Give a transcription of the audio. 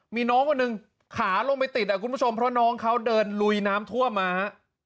มีน้องคนหนึ่งขาลงไปติดอ่ะคุณผู้ชมเพราะน้องเขาเดินลุยน้ำท่วมมาฮะ